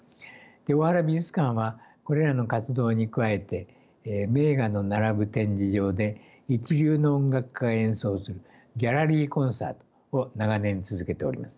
大原美術館はこれらの活動に加えて名画の並ぶ展示場で一流の音楽家が演奏するギャラリーコンサートを長年続けております。